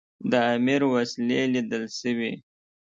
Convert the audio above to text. د امیر وسلې لیدل سوي.